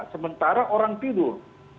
sementara orang tidur